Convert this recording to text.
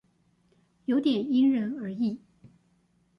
有點因人而異